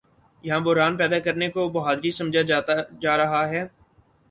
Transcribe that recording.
یہاں بحران پیدا کرنے کو بہادری سمجھا جا رہا ہے۔